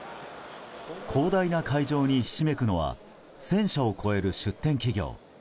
広大な会場にひしめくのは１０００社を超える出展企業。